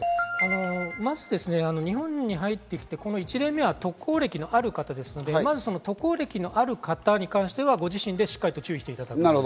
まず日本に入ってきて、この１例目は渡航歴のある方ですので、渡航歴のある方に関してはご自身でしっかり注意していただく。